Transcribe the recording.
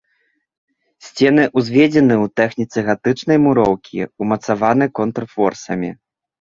Сцены ўзведзены ў тэхніцы гатычнай муроўкі, умацаваны контрфорсамі.